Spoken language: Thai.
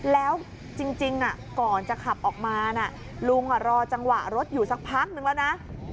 แล้วจริงก่อนจะขับออกมาลุงรอจังหวะรถอยู่สักพักนึงแล้วนะ